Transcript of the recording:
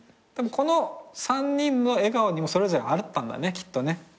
たぶんこの３人の笑顔にもそれぞれあったんだねきっとね。